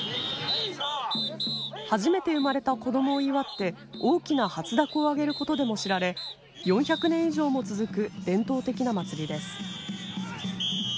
初めて生まれた子どもを祝って大きな初凧を揚げることでも知られ４００年以上も続く伝統的な祭りです。